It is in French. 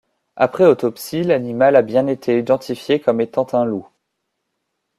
Après autopsie, l'animal a bien été identifié comme étant un loup.